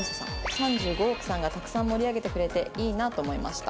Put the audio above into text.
「３５億さんがたくさん盛り上げてくれていいなと思いました」。